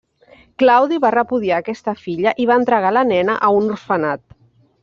Claudi va repudiar aquesta filla i va entregar la nena a un orfenat.